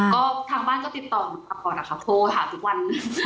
ก็ทางบ้านก็ติดต่อคุณพ่อค่ะโทรหาทุกวัน